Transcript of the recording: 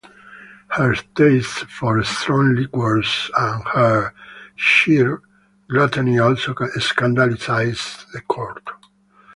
Her taste for strong liquors and her sheer gluttony also scandalized the court.